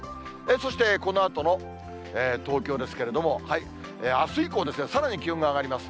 そしてこのあとの東京ですけれども、あす以降、さらに気温が上がります。